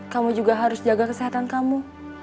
kamu juga harus jaga kesehatan kamu